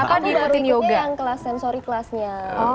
aku baru ikutnya yang kelas sensory kelasnya